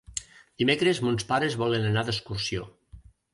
Dimecres mons pares volen anar d'excursió.